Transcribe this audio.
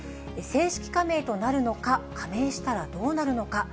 正式加盟となるのか、加盟したらどうなるのか。